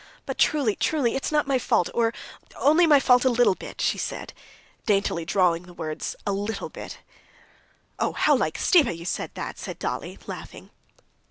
But truly, truly, it's not my fault, or only my fault a little bit," she said, daintily drawling the words "a little bit." "Oh, how like Stiva you said that!" said Dolly, laughing.